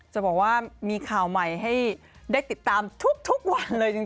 จะบอกว่ามีข่าวใหม่ให้ได้ติดตามทุกวันเลยจริง